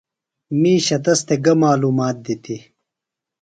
مِیشہ تس تھےۡ گہ معلومات دِتیۡ؟